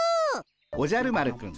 おじゃる丸くん